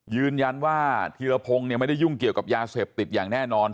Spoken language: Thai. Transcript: ยืนยันว่าธีรพงศ์ไม่ได้ยุ่งเกี่ยวกับยาเสพติดอย่างแน่นอน